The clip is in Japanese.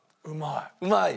うまい。